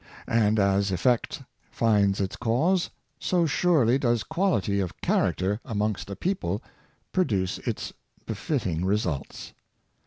And as effect finds its cause, so surely does quality of character amongst a people produce its be fitting results.